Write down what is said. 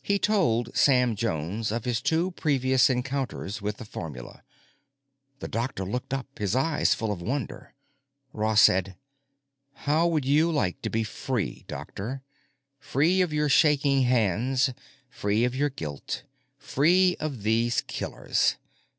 He told Sam Jones of his two previous encounters with the formula. The doctor looked up, his eyes full of wonder. Ross said, "How would you like to be free, doctor? Free of your shaking hands, free of your guilt, free of these killers?